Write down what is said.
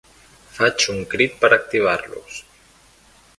Faig un crit per activar-los.